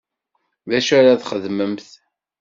D acu ara txedmemt?